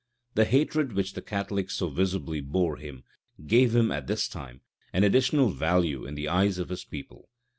The hatred which the Catholics so visibly bore him, gave him, at this time, an additional value in the eyes of his people.